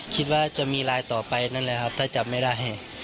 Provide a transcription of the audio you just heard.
คิดว่ามีรายต่อไปนั้นแล้วถ้าจับไม่ได้